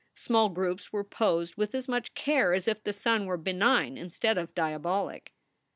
Small groups were posed with as much care as if the sun were benign instead of diabolic.